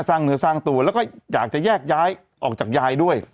สร้างเนื้อสร้างตัวแล้วก็อยากจะแยกย้ายออกจากยายด้วย